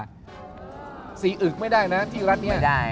สี่อึกไม่ได้นะที่รัฐนี้